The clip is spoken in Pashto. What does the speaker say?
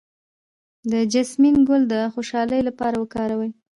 د جیسمین ګل د خوشحالۍ لپاره وکاروئ